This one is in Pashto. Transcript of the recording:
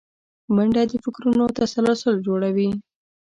منډه د فکرونو تسلسل جوړوي